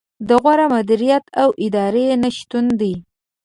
د غوره مدیریت او ادارې نه شتون دی.